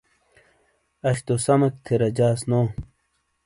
اش تو سمیک تھے رجیاس نو